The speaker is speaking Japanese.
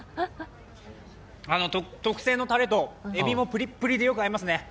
特製のタレと、エビもプリップリでよく合いますね。